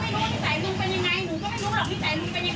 มันไม่มีใครมันไม่ผิดหรอกลูกหนูว่าผิด